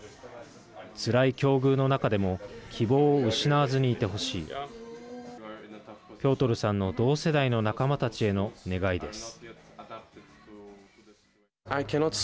つらい境遇の中でも希望を失わずにいてほしいピョートルさんの同世代の仲間たちへの願いです。